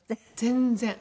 全然。